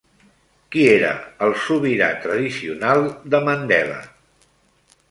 Qui era el sobirà tradicional de Mandela?